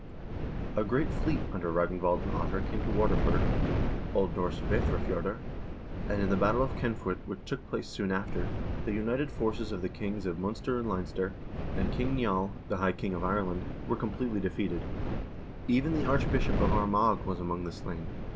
A great fleet under Ragnvald and Ottar came to Waterford (O. N. Veorafjordr), and, in the battle of Cennfuait, which took place soon after, the united forces of the kings of Munster and Leinster, and King Niall, high king of Ireland, were completely defeated ; even the archbishop of Armagh was among the slain.